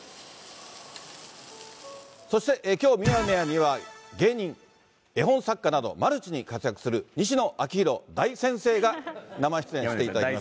そしてきょうミヤネ屋には、芸人、絵本作家など、マルチに活躍する、西野亮廣大先生が生出演していただきます。